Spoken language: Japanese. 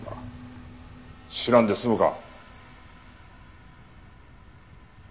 「知らん」で済むか！